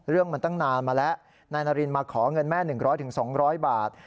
เรื่องมันตั้งนานมาแล้วนายนารินมาขอเงินแม่๑๐๐๒๐๐บาท